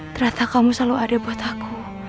ternyata kamu selalu ada buat aku